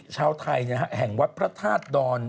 ชาวไทยเนี่ยฮะแห่งวัดพระทาสดร